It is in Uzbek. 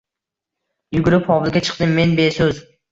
Yugurib hovliga chiqdim men besoʻz